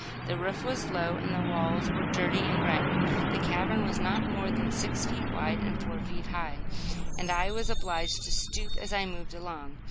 The roof was low, and the walls were dirty and grimy. The cavern was not more than six feet wide and four feet high, and I was obliged to stoop as I moved along.